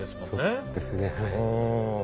そうですねはい。